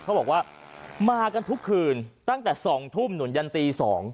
เขาบอกว่ามากันทุกคืนตั้งแต่๒ทุ่มหนุนยันตี๒